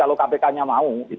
apakah mereka mau